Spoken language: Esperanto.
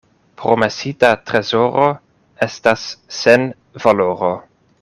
Promesita trezoro estas sen valoro.